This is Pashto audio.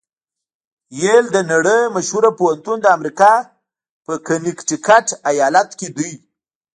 یل د نړۍ مشهوره پوهنتون د امریکا په کنېکټیکیټ ایالات کې ده.